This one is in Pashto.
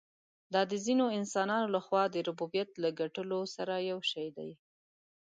دا د ځینو انسانانو له خوا د ربوبیت له ګټلو سره یو شی دی.